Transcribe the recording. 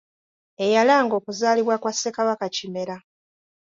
Eyalanga okuzaalibwa kwa Ssekabaka Kimera .